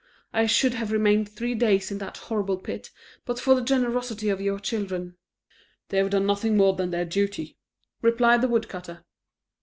I should have remained three days in that horrible pit but for the generosity of your children." "They have done nothing more than their duty," replied the woodcutter.